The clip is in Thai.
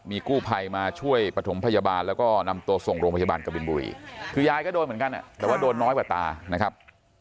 มีกู้ภัยมาช่วยประถมพยาบาลแล้วก็นำตัวส่งโรงพยาบาลกบินบุรีคือยายก็โดนเหมือนกันแต่ว่าโดนน้อยกว่าตานะครับ